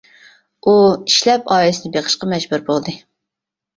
ئۇ ئىشلەپ ئائىلىسىنى بېقىشقا مەجبۇر بولدى.